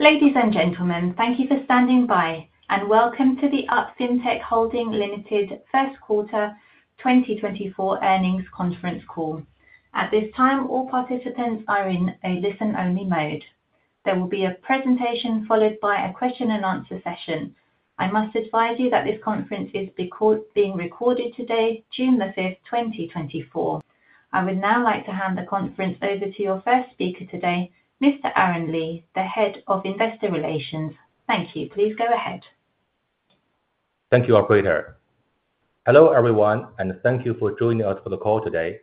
Ladies and gentlemen, thank you for standing by, and welcome to the UP Fintech Holding Limited First Quarter 2024 Earnings Conference Call. At this time, all participants are in a listen-only mode. There will be a presentation followed by a question-and-answer session. I must advise you that this conference is being recorded today, June 5, 2024. I would now like to hand the conference over to your first speaker today, Mr. Aaron Lee, the Head of Investor Relations. Thank you. Please go ahead. Thank you, Operator. Hello, everyone, and thank you for joining us for the call today.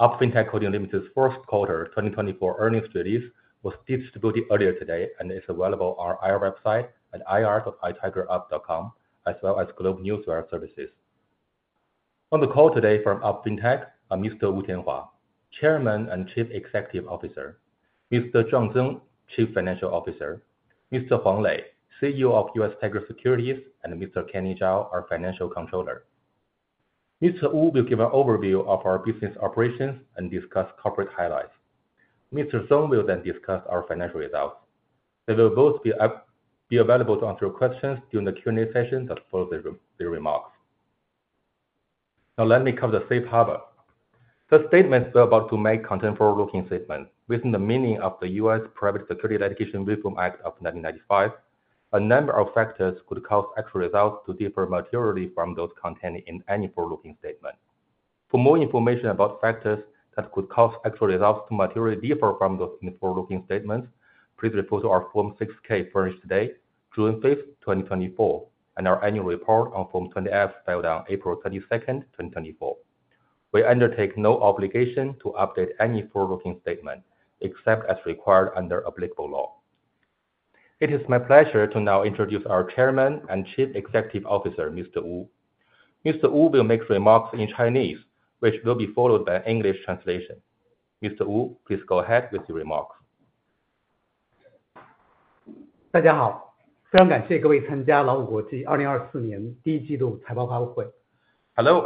UP Fintech Holding Limited's first quarter 2024 earnings release was distributed earlier today and is available on our website at ir.tigerup.com, as well as GlobeNewswire services. On the call today from UP Fintech are Mr. Wu Tianhua, Chairman and Chief Executive Officer, Mr. John Zeng, Chief Financial Officer, Mr. Huang Lei, CEO of U.S. Tiger Securities, and Mr. Kenny Zhao, our Financial Controller. Mr. Wu will give an overview of our business operations and discuss corporate highlights. Mr. Zeng will then discuss our financial results. They will both be available to answer your questions during the Q&A session that follows the remarks. Now, let me cover the safe harbor. The statements we're about to make contain forward-looking statements within the meaning of the U.S. Private Securities Litigation Reform Act of 1995. A number of factors could cause actual results to differ materially from those contained in any forward-looking statement. For more information about factors that could cause actual results to materially differ from those in the forward-looking statements, please refer to our Form 6-K furnished today, June 5, 2024, and our annual report on Form 20-F, filed on April 22, 2024. We undertake no obligation to update any forward-looking statement, except as required under applicable law. It is my pleasure to now introduce our Chairman and Chief Executive Officer, Mr. Wu. Mr. Wu will make remarks in Chinese, which will be followed by an English translation. Mr. Wu, please go ahead with your remarks. Hello,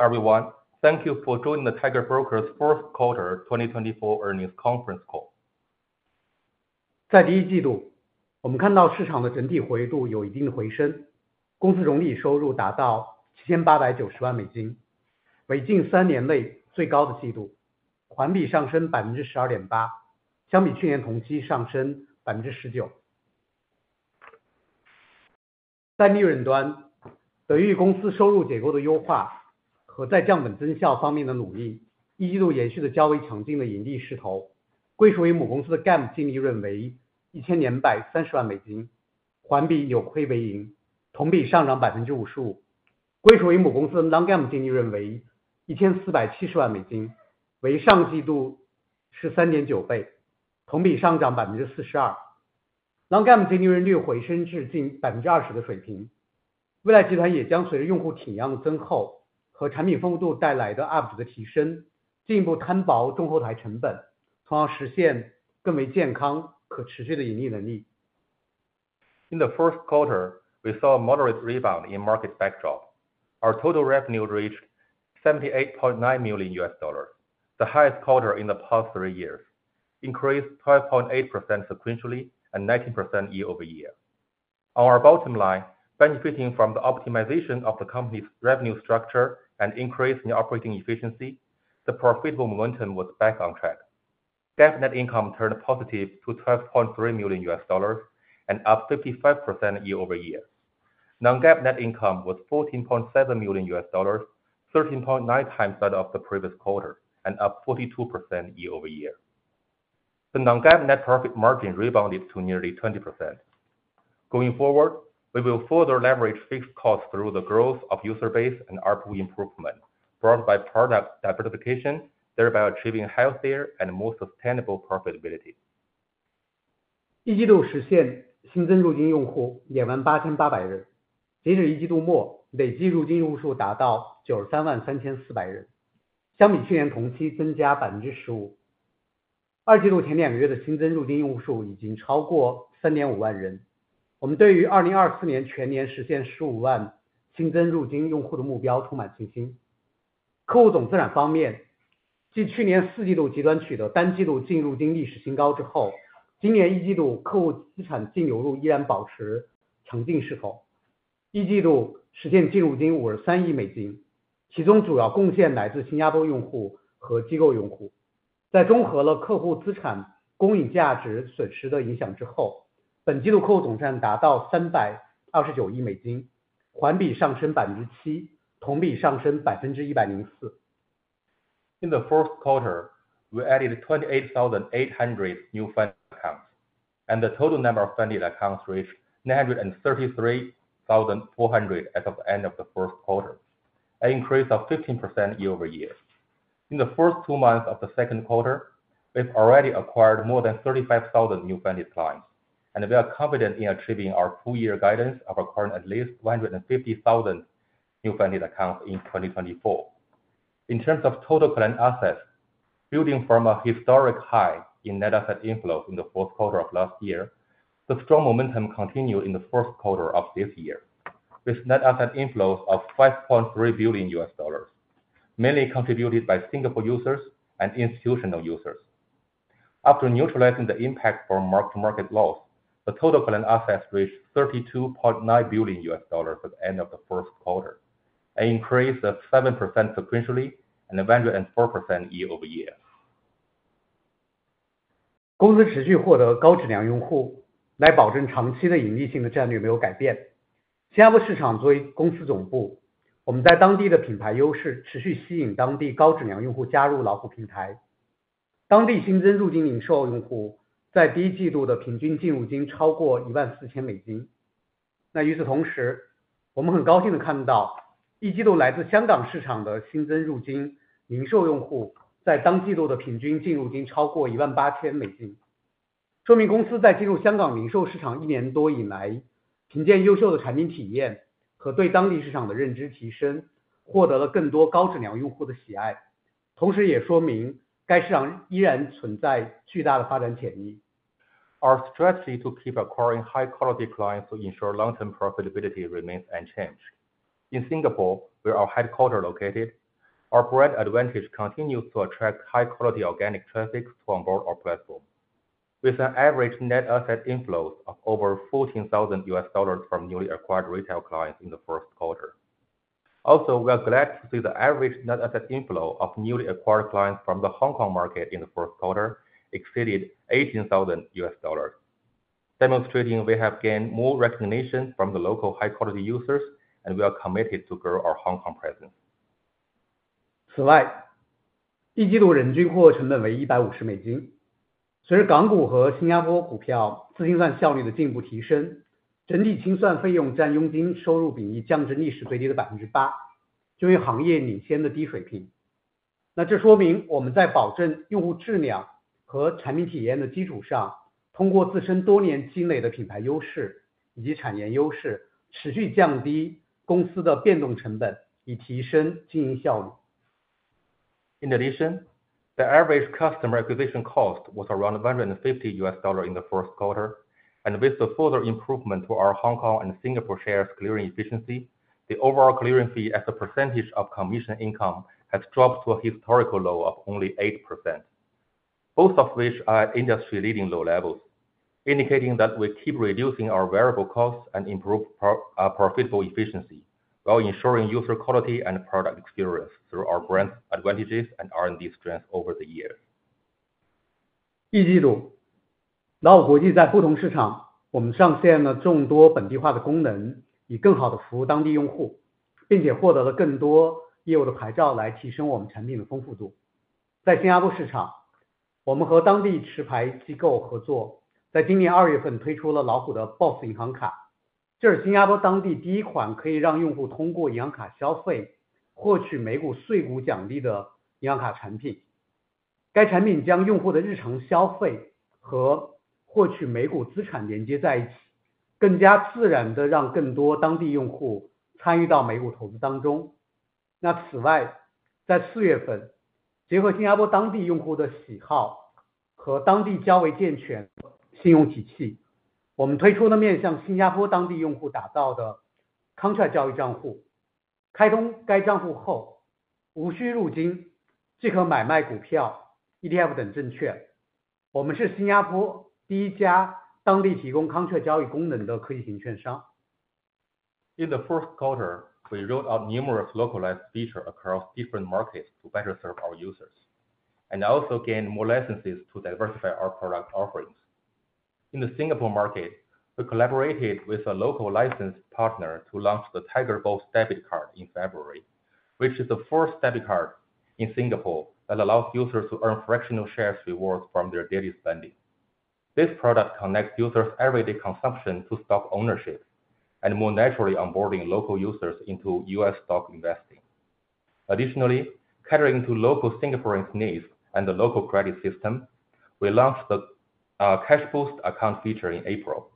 everyone. Thank you for joining the Tiger Brokers First Quarter 2024 Earnings Conference Call. In the first quarter, we added 28,800 new funded accounts, and the total number of funded accounts reached 933,400 at the end of the first quarter, an increase of 15% year-over-year. In the first two months of the second quarter, we've already acquired more than 35,000 new funded clients, and we are confident in achieving our full year guidance of acquiring at least 150,000 new funded accounts in 2024. In terms of total client assets, building from a historic high in net asset inflows in the fourth quarter of last year, the strong momentum continued in the first quarter of this year, with net asset inflows of $5.3 billion. ...mainly contributed by Singapore users and institutional users. After neutralizing the impact from mark-to-market loss, the total client assets reached $32.9 billion by the end of the first quarter, an increase of 7% sequentially and 104% year-over-year. Our strategy to keep acquiring high-quality clients to ensure long-term profitability remains unchanged. In Singapore, where our headquarters is located, our brand advantage continues to attract high-quality organic traffic to onboard our platform. With an average net asset inflows of over $14,000 from newly acquired retail clients in the first quarter. Also, we are glad to see the average net asset inflow of newly acquired clients from the Hong Kong market in the first quarter exceeded $18,000, demonstrating we have gained more recognition from the local high-quality users, and we are committed to grow our Hong Kong presence. In addition, the average customer acquisition cost was around $150 in the first quarter, and with the further improvement to our Hong Kong and Singapore shares clearing efficiency, the overall clearing fee as a percentage of commission income has dropped to a historical low of only 8%, both of which are industry-leading low levels, indicating that we keep reducing our variable costs and improve profitable efficiency while ensuring user quality and product experience through our brand advantages and R&D strengths over the years. In the first quarter, we rolled out numerous localized features across different markets to better serve our users, and also gained more licenses to diversify our product offerings. In the Singapore market, we collaborated with a local licensed partner to launch the Tiger BOSS debit card in February, which is the first debit card in Singapore that allows users to earn fractional shares rewards from their daily spending. This product connects users' everyday consumption to stock ownership, and more naturally onboarding local users into U.S. stock investing. Additionally, catering to local Singaporeans' needs and the local credit system, we launched the Cash Boost Account feature in April.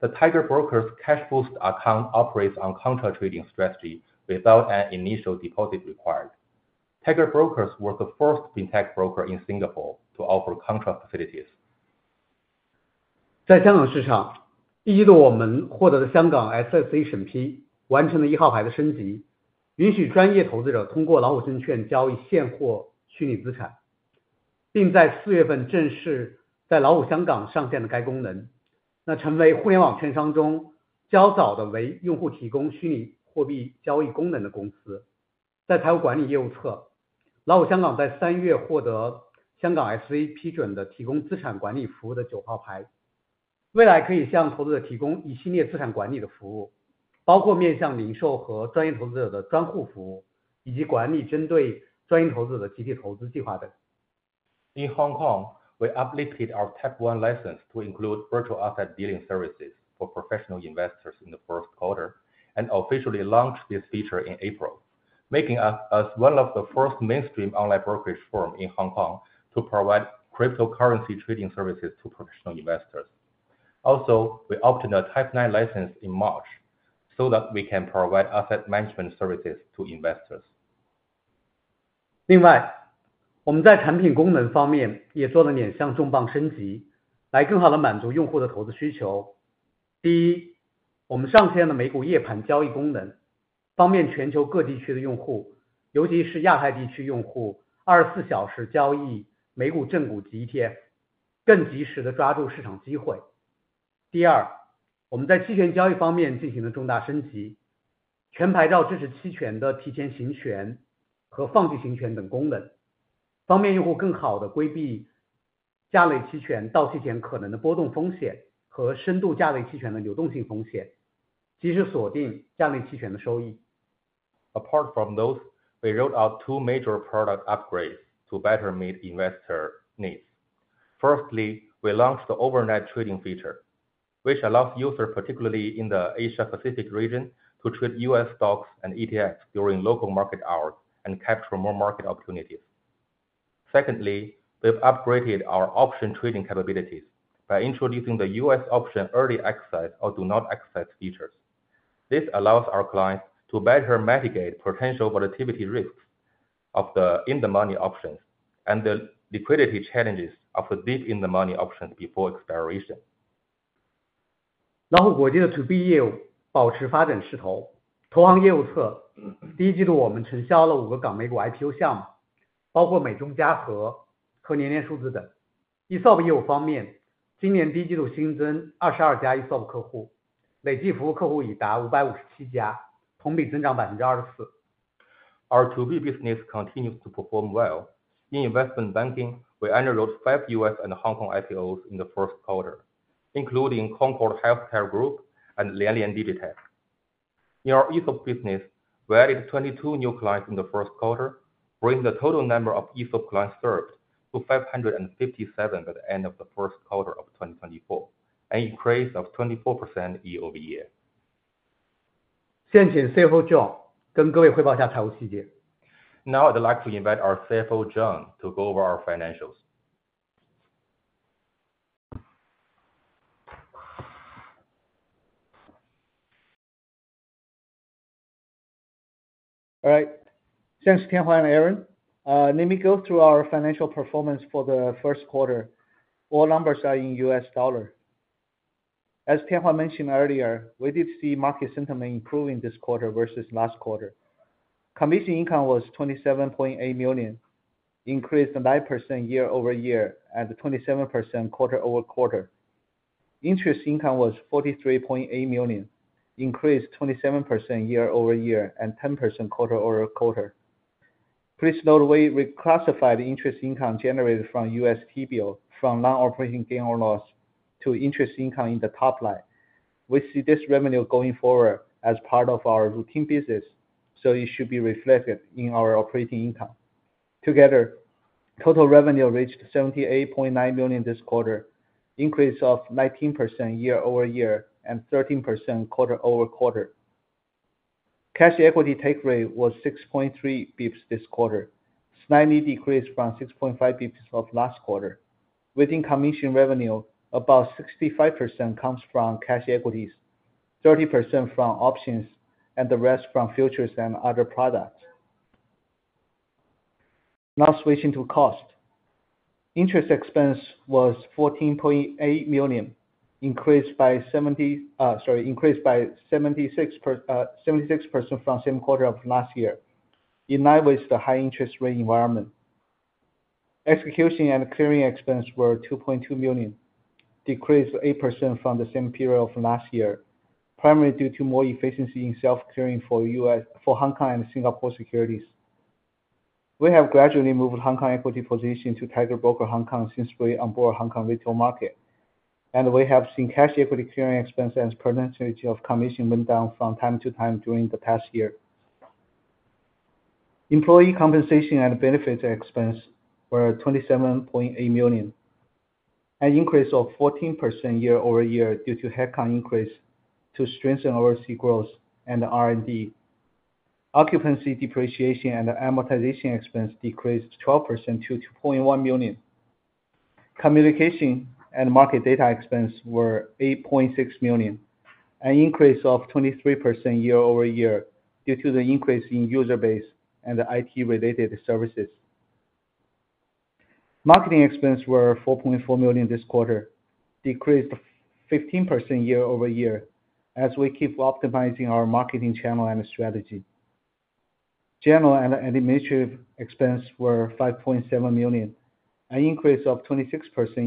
The Tiger Brokers Cash Boost Account operates on contra trading strategy without an initial deposit required. Tiger Brokers was the first fintech broker in Singapore to offer contra facilities. In Hong Kong, we uplifted our Type 1 license to include virtual asset dealing services for professional investors in the first quarter, and officially launched this feature in April, making us one of the first mainstream online brokerage firm in Hong Kong to provide cryptocurrency trading services to professional investors. Also, we obtained a Type 9 license in March, so that we can provide asset management services to investors. Apart from those, we rolled out two major product upgrades to better meet investor needs. Firstly, we launched the overnight trading feature, which allows users, particularly in the Asia Pacific region, to trade U.S. stocks and ETFs during local market hours and capture more market opportunities. Secondly, we've upgraded our option trading capabilities by introducing the U.S. option early exercise or do-not-exercise features. This allows our clients to better mitigate potential volatility risks of the in-the-money options and the liquidity challenges of a deep in-the-money options before expiration. Our 2B business continues to perform well. In investment banking, we underwrote 5 U.S. and Hong Kong IPOs in the first quarter, including Concord Healthcare Group and Lianlian DigiTech. In our ESOP business, we added 22 new clients in the first quarter, bringing the total number of ESOP clients served to 557 at the end of the first quarter of 2024, an increase of 24% year-over-year. Now, I'd like to invite our CFO, John, to go over our financials. All right, thanks, Tianhua and Aaron. Let me go through our financial performance for the first quarter. All numbers are in U.S. dollar. As Tianhua mentioned earlier, we did see market sentiment improving this quarter versus last quarter. Commission income was $27.8 million, increased 9% year-over-year, and 27% quarter-over-quarter. Interest income was $43.8 million, increased 27% year-over-year and 10% quarter-over-quarter. Please note the way we classified interest income generated from U.S. T-Bill, from non-operating gain or loss to interest income in the top line. We see this revenue going forward as part of our routine business, so it should be reflected in our operating income. Together, total revenue reached $78.9 million this quarter, increase of 19% year-over-year and 13% quarter-over-quarter. Cash equity take rate was 6.3 bps this quarter, slightly decreased from 6.5 bps of last quarter. Within commission revenue, about 65% comes from cash equities, 30% from options, and the rest from futures and other products. Now switching to cost. Interest expense was $14.8 million, increased by 76% from same quarter of last year, in line with the high interest rate environment. Execution and clearing expense were $2.2 million, decreased 8% from the same period of last year, primarily due to more efficiency in self-clearing for U.S., for Hong Kong and Singapore securities. We have gradually moved Hong Kong equity position to Tiger Brokers Hong Kong since we onboard Hong Kong retail market, and we have seen cash equity clearing expense as penetration of commission went down from time to time during the past year. Employee compensation and benefits expense were $27.8 million, an increase of 14% year-over-year due to headcount increase to strengthen overseas growth and R&D. Occupancy, depreciation and amortization expense decreased 12% to $2.1 million. Communication and market data expense were $8.6 million, an increase of 23% year-over-year due to the increase in user base and the IT-related services. Marketing expense were $4.4 million this quarter, decreased 15% year-over-year as we keep optimizing our marketing channel and strategy. General and administrative expense were $5.7 million, an increase of 26%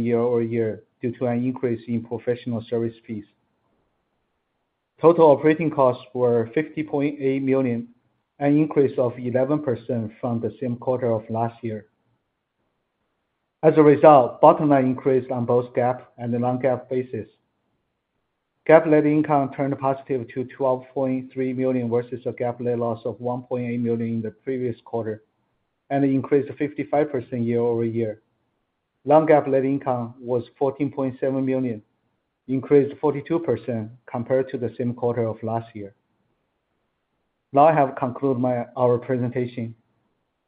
year-over-year due to an increase in professional service fees. Total operating costs were $50.8 million, an increase of 11% from the same quarter of last year. As a result, bottom line increased on both GAAP and the non-GAAP basis. GAAP net income turned positive to $12.3 million versus a GAAP net loss of $1.8 million in the previous quarter, and increased 55% year-over-year. Non-GAAP net income was $14.7 million, increased 42% compared to the same quarter of last year. Now I have concluded our presentation.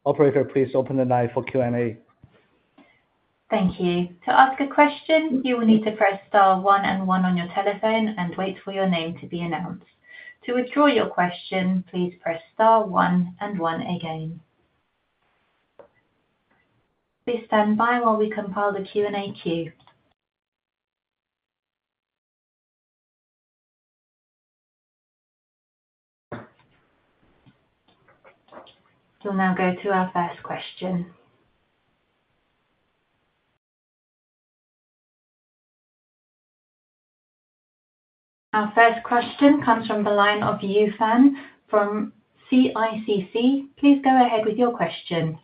Operator, please open the line for Q&A. Thank you. To ask a question, you will need to press star one and one on your telephone and wait for your name to be announced. To withdraw your question, please press star one and one again. Please stand by while we compile the Q&A queue. We'll now go to our first question. Our first question comes from the line of Yoyo Fan from CICC. Please go ahead with your question.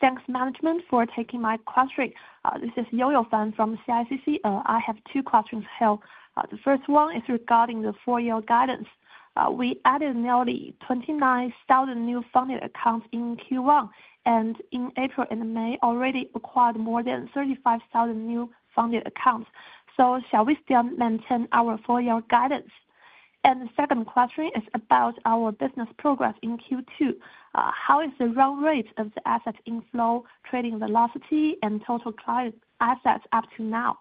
Thanks, management, for taking my question. This is Yoyo Fan from CICC. I have two questions here. The first one is regarding the four-year guidance. We added nearly 29,000 new funded accounts in Q1, and in April and May already acquired more than 35,000 new funded accounts. Shall we still maintain our four-year guidance? The second question is about our business progress in Q2. How is the run rate of the asset inflow, trading velocity, and total client assets up to now?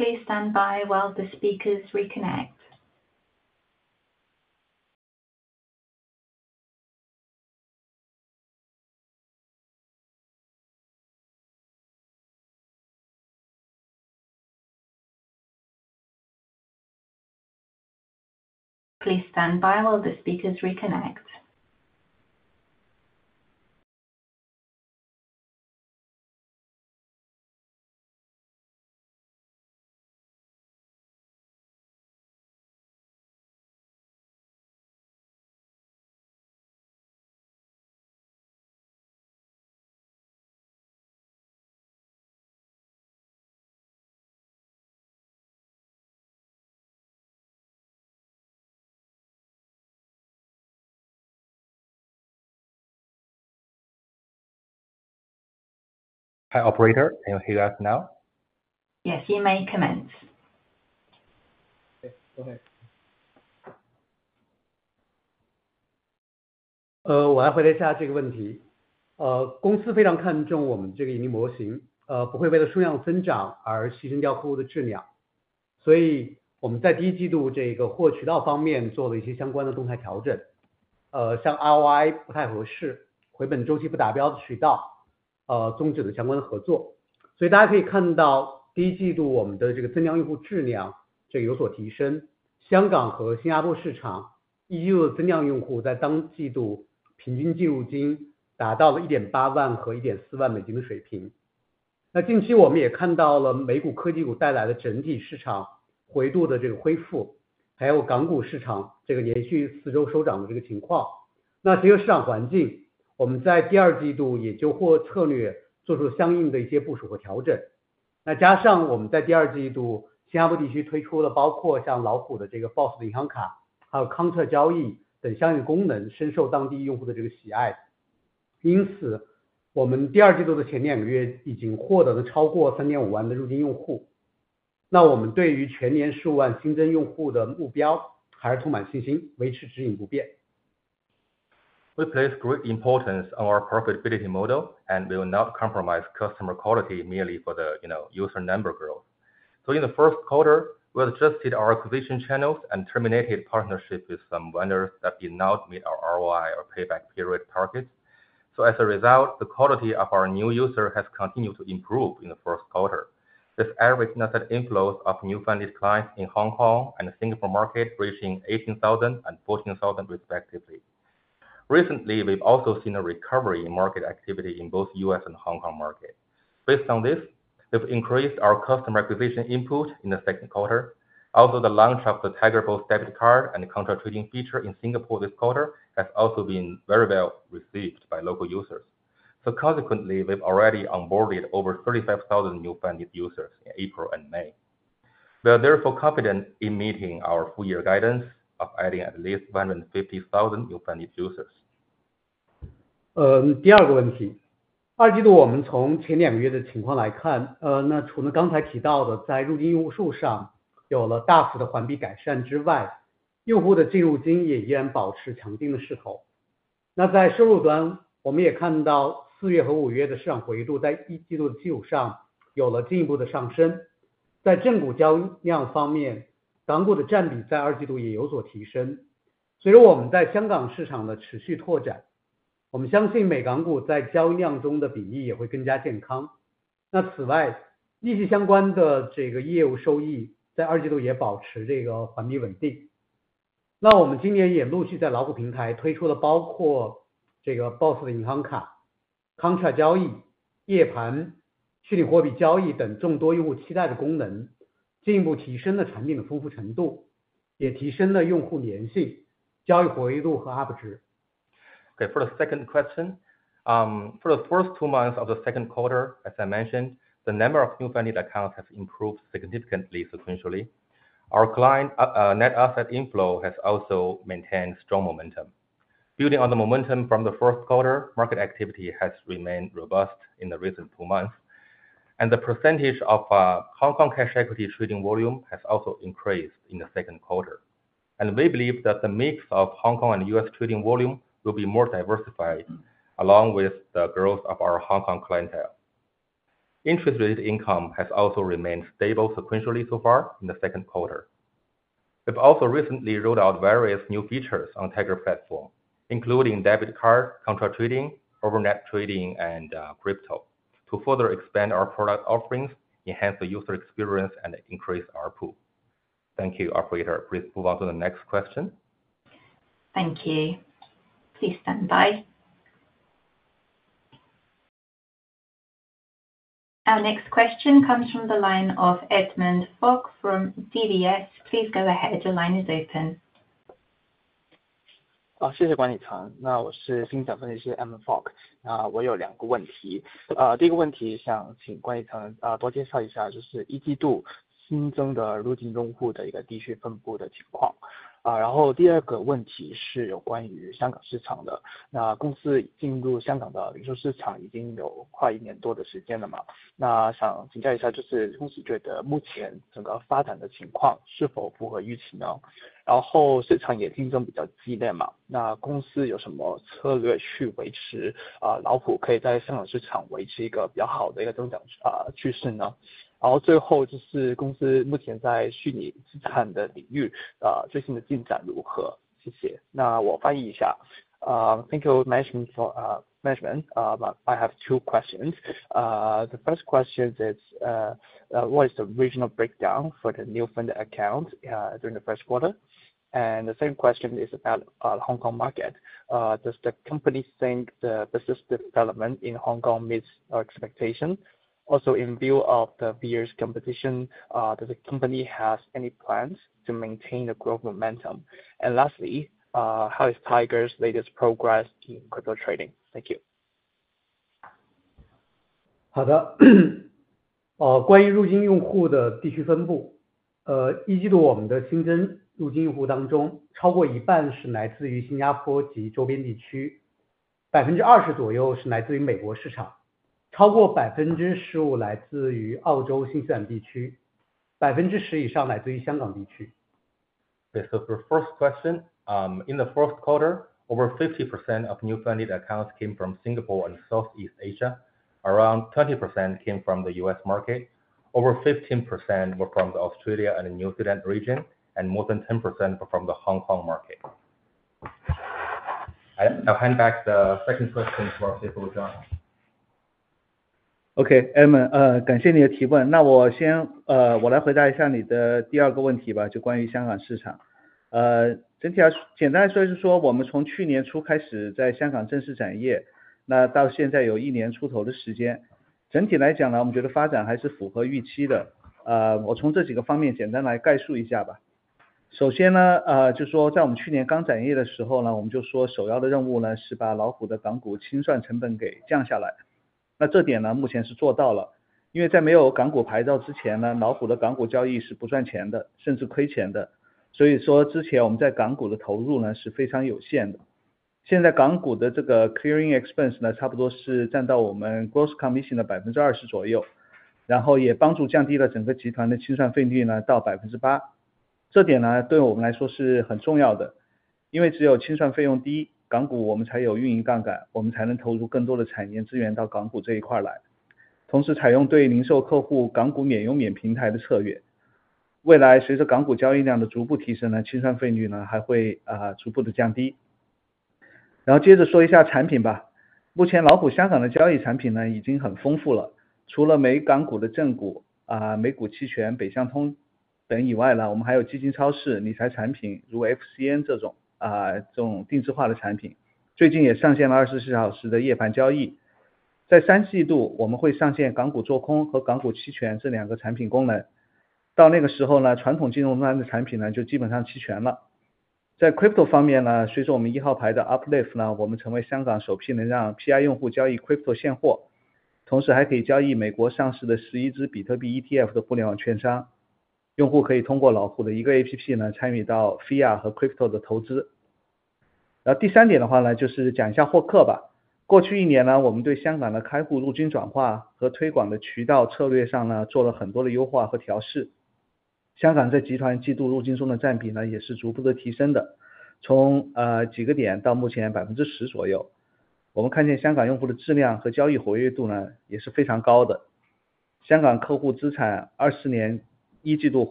Please stand by while the speakers reconnect. Please stand by while the speakers reconnect. Hi, operator, can you hear us now? Yes, you may commence. Okay. So in the first quarter, we adjusted our acquisition channels and terminated partnership with some vendors that did not meet our ROI or payback period targets. So as a result, the quality of our new user has continued to improve in the first quarter. This average net inflows of new funded clients in Hong Kong and Singapore market, reaching $18,000 and $14,000 respectively. Recently, we've also seen a recovery in market activity in both U.S. and Hong Kong market. Based on this, we've increased our customer acquisition input in the second quarter. Also, the launch of the Tiger BOSS debit card and the contra trading feature in Singapore this quarter, has also been very well received by local users. So consequently, we've already onboarded over 35,000 new funded users in April and May. We are therefore confident in meeting our full year guidance of adding at least 150,000 new funded users. For the second question, for the first two months of the second quarter. As I mentioned, the number of new funding accounts has improved significantly sequentially. Our client net asset inflow has also maintained strong momentum. Building on the momentum from the first quarter, market activity has remained robust in the recent two months, and the percentage of Hong Kong cash equity trading volume has also increased in the second quarter. We believe that the mix of Hong Kong and U.S. trading volume will be more diversified along with the growth of our Hong Kong clientele. Interest rate income has also remained stable sequentially so far in the second quarter. We've also recently rolled out various new features on Tiger Platform, including debit card, contra trading, overnight trading, and crypto, to further expand our product offerings, enhance the user experience, and increase ARPU. Thank you, operator. Please move on to the next question. Thank you. Please stand by. Our next question comes from the line of Edmond Fok from DBS. Please go ahead. Your line is open. Thank you management for, management. I have two questions. The first question is, what is the regional breakdown for the new funded accounts, during the first quarter? And the second question is about, Hong Kong market. Does the company think the business development in Hong Kong meets our expectation? Also, in view of the fierce competition, does the company has any plans to maintain the growth momentum? And lastly, how is Tiger's latest progress in crypto trading? Thank you. So for first question, in the first quarter, over 50% of new funded accounts came from Singapore and Southeast Asia. Around 20% came from the U.S. market, over 15% were from the Australia and New Zealand region, and more than 10% were from the Hong Kong market. I now hand back the second question for John.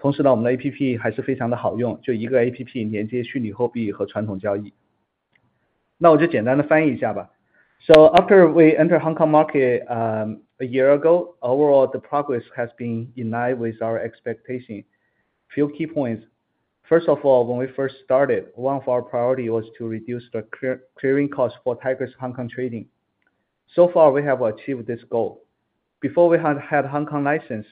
Few key points. First of all, when we first started, one of our priority was to reduce the clearing costs for Tiger's Hong Kong trading. So far, we have achieved this goal. Before we had Hong Kong license,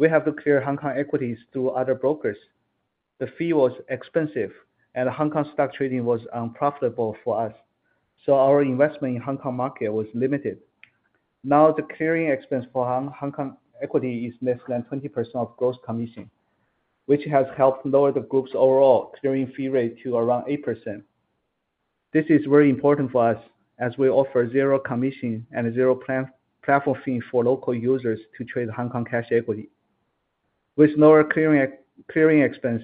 we have to clear Hong Kong equities through other brokers. The fee was expensive and Hong Kong stock trading was unprofitable for us, so our investment in Hong Kong market was limited. Now, the clearing expense for Hong Kong equity is less than 20% of gross commission, which has helped lower the group's overall clearing fee rate to around 8%. This is very important for us, as we offer zero commission and zero platform fee for local users to trade Hong Kong cash equity. With lower clearing expense,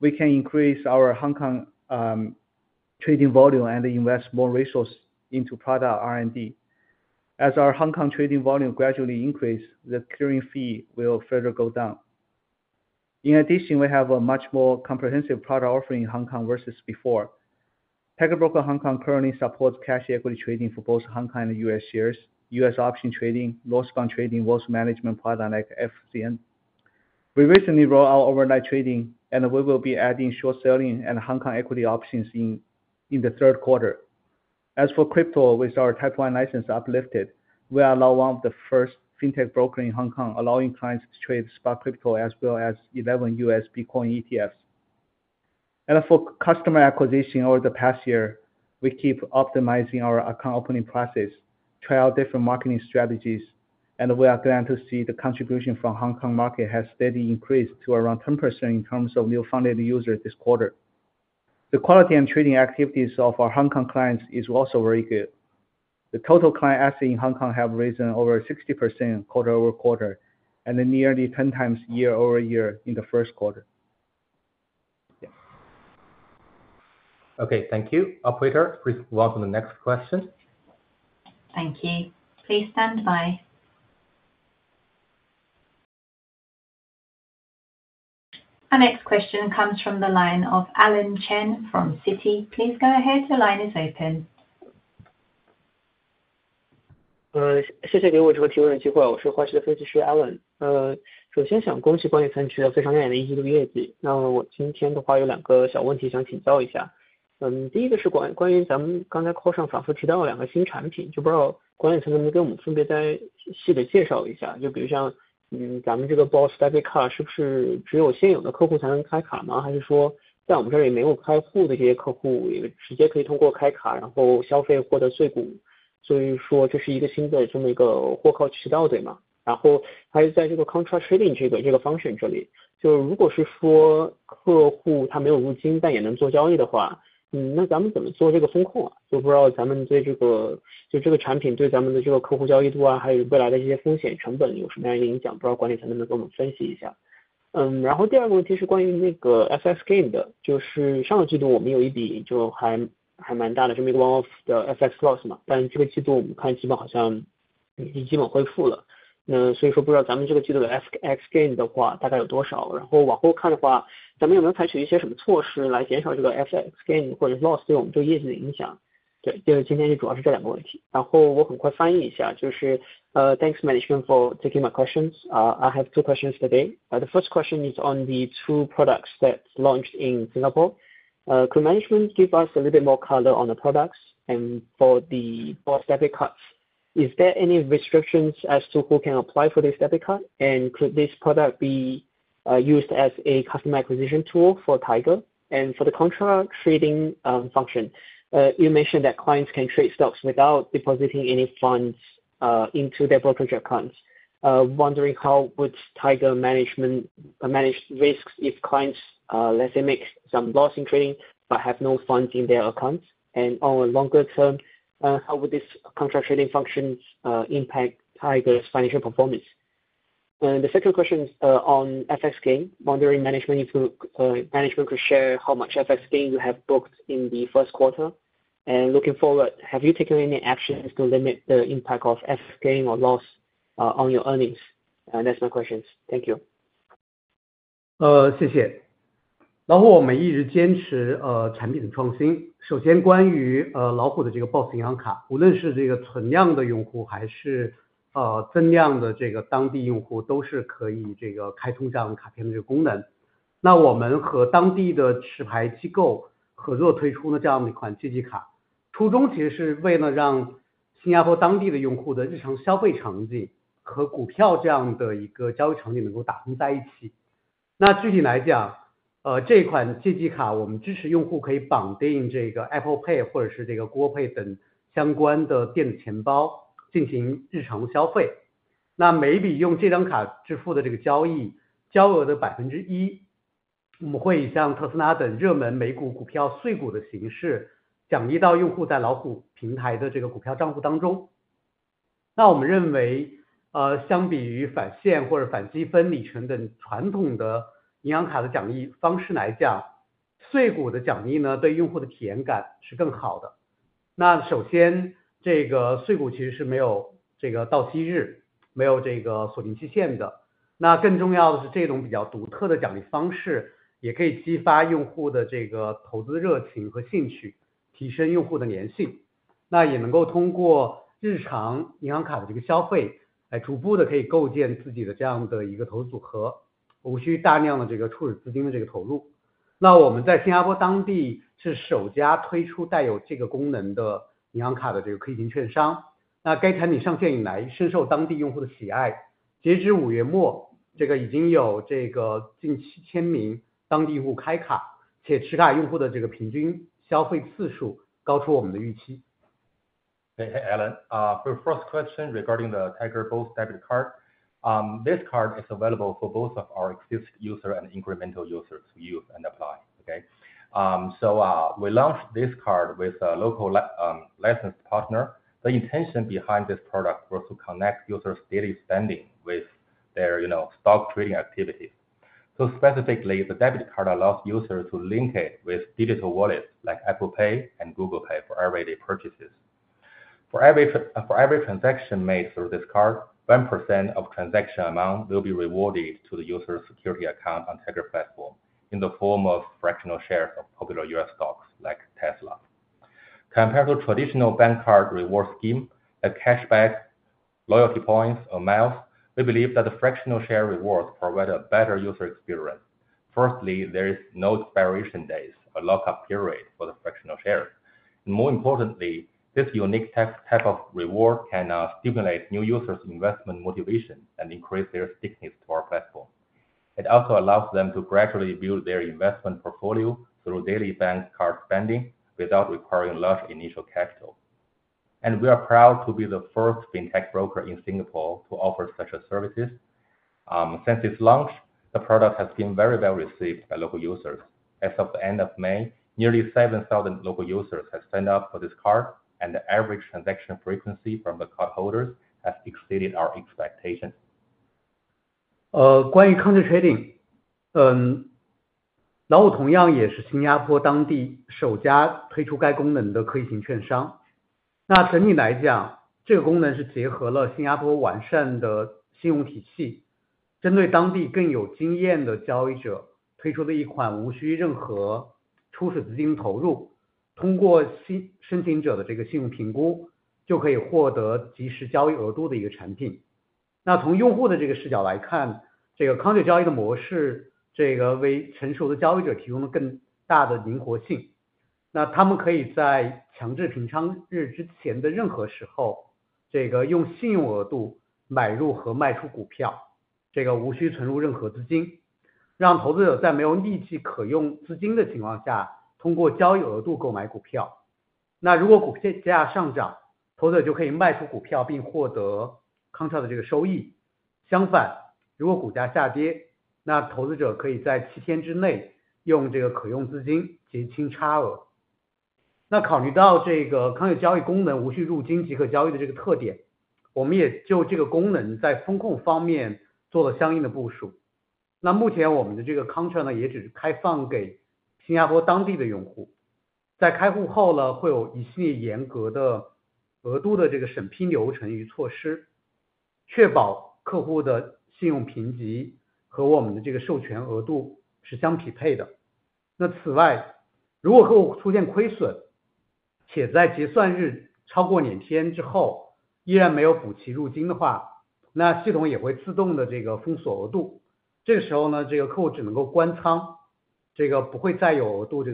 we can increase our Hong Kong trading volume and invest more resources into product R&D. As our Hong Kong trading volume gradually increase, the clearing fee will further go down. In addition, we have a much more comprehensive product offering in Hong Kong versus before. Tiger Brokers Hong Kong currently supports cash equity trading for both Hong Kong and U.S. shares, U.S. option trading, long stock trading, wealth management product like FCN. We recently rolled out overnight trading, and we will be adding short selling and Hong Kong equity options in the third quarter. As for crypto, with our Type 1 license uplifted, we are now one of the first Fintech broker in Hong Kong, allowing clients to trade spot crypto as well as 11 U.S. Bitcoin ETFs. For customer acquisition over the past year, we keep optimizing our account opening process, try out different marketing strategies, and we are glad to see the contribution from Hong Kong market has steadily increased to around 10% in terms of new funded users this quarter. The quality and trading activities of our Hong Kong clients is also very good. The total client assets in Hong Kong have risen over 60% quarter-over-quarter, and then nearly 10 times year-over-year in the first quarter. Okay, thank you. Operator, please welcome the next question. Thank you. Please stand by. Our next question comes from the line of Alan Chen from Citi. Please go ahead, the line is open. Thanks management for taking my questions. I have two questions today. The first question is on the two products that launched in Singapore. Could management give us a little bit more color on the products? And for the BOSS debit cards, is there any restrictions as to who can apply for this debit card? And could this product be used as a customer acquisition tool for Tiger? And for the contra trading function, you mentioned that clients can trade stocks without depositing any funds into their brokerage accounts. Wondering how would Tiger management manage risks if clients, let's say, make some loss in trading but have no funds in their accounts? And on a longer term, how would this contra trading functions impact Tiger's financial performance?... The second question is on FX gain, wondering if management could share how much FX gain you have booked in the first quarter? And looking forward, have you taken any actions to limit the impact of FX gain or loss on your earnings? And that's my questions. Thank you. Hey, hey, Alan, for first question regarding the Tiger BOSS debit card. This card is available for both of our existing users and incremental users to use and apply, okay? So, we launched this card with a local licensed partner. The intention behind this product was to connect users daily spending with their, you know, stock trading activities. So specifically, the debit card allows users to link it with digital wallets like Apple Pay and Google Pay for everyday purchases. For every transaction made through this card, 1% of transaction amount will be rewarded to the user's security account on Tiger platform in the form of fractional shares of popular U.S. stocks like Tesla. Compared to traditional bank card reward scheme, a cashback, loyalty points, or miles, we believe that the fractional share rewards provide a better user experience. Firstly, there is no expiration days or lock-up period for the fractional shares. And more importantly, this unique type of reward can stimulate new users investment motivation and increase their stickiness to our platform. It also allows them to gradually build their investment portfolio through daily bank card spending without requiring large initial capital. And we are proud to be the first Fintech broker in Singapore to offer such a service. Since its launch, the product has been very well received by local users. As of the end of May, nearly 7,000 local users have signed up for this card, and the average transaction frequency from the card holders has exceeded our expectations. OK, so regarding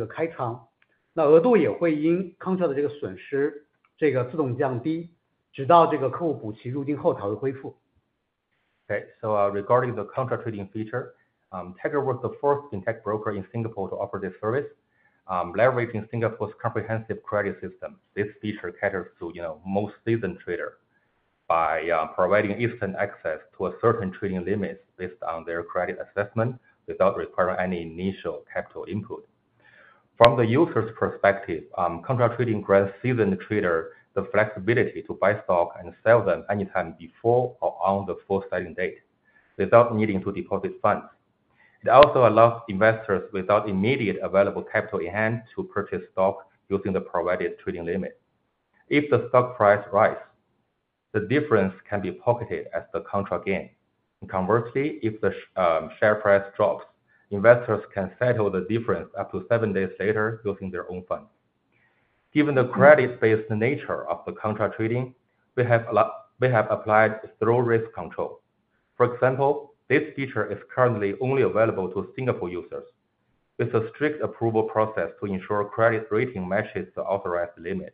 the contra trading feature, Tiger was the first Fintech broker in Singapore to offer this service. Leveraging Singapore's comprehensive credit system, this feature caters to, you know, most seasoned trader by providing instant access to a certain trading limit based on their credit assessment without requiring any initial capital input. From the user's perspective, contra trading grants seasoned trader the flexibility to buy stock and sell them anytime before or on the fourth trading date, without needing to deposit funds. It also allows investors without immediate available capital in hand to purchase stock using the provided trading limit. If the stock price rise, the difference can be pocketed as the contract gain. And conversely, if the share price drops, investors can settle the difference up to seven days later using their own funds. Given the credit-based nature of the contra trading, we have applied thorough risk control. For example, this feature is currently only available to Singapore users. With a strict approval process to ensure credit rating matches the authorized limit.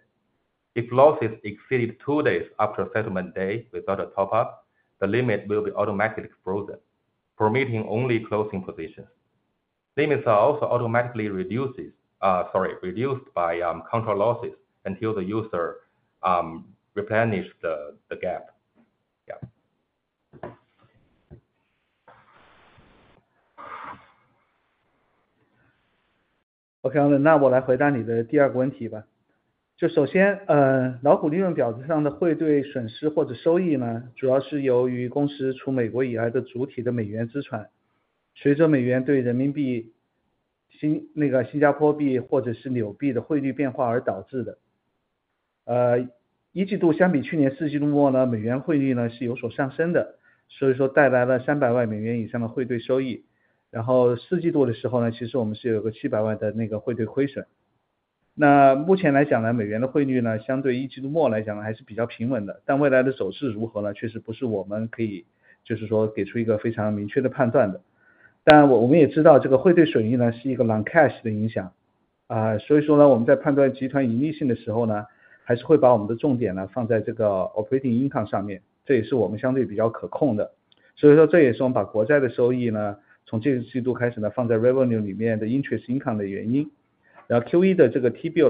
If losses exceed two days after settlement day without a top up, the limit will be automatically frozen, permitting only closing positions. Limits are also automatically reduced by contra losses until the user replenish the gap. Yeah. So, the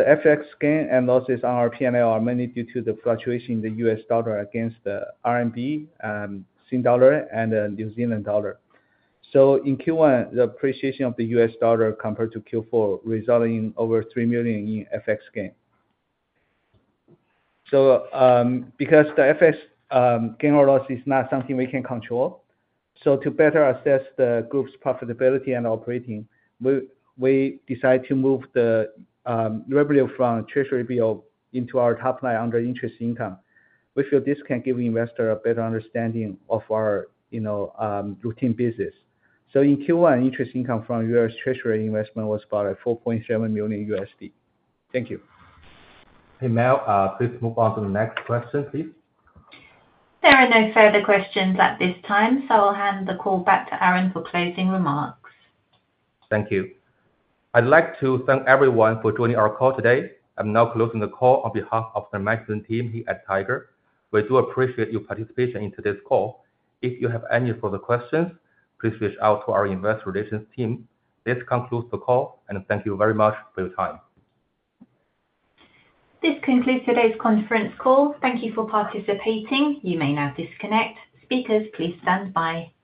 FX gain and losses on our P&L are mainly due to the fluctuation in the U.S. dollar against the RMB, Singapore dollar and New Zealand dollar. So in Q1, the appreciation of the U.S. dollar compared to Q4, resulting in over $3 million in FX gain. So, because the FX gain or loss is not something we can control, so to better assess the group's profitability and operating, we decide to move the revenue from Treasury bill into our top line under interest income. We feel this can give investor a better understanding of our, you know, routine business. So in Q1, interest income from U.S. Treasury investment was about $4.7 million. Thank you. Hey, Mel, please move on to the next question, please. There are no further questions at this time, so I'll hand the call back to Aaron for closing remarks. Thank you. I'd like to thank everyone for joining our call today. I'm now closing the call on behalf of the management team here at Tiger. We do appreciate your participation in today's call. If you have any further questions, please reach out to our investor relations team. This concludes the call, and thank you very much for your time. This concludes today's conference call. Thank you for participating. You may now disconnect. Speakers, please stand by.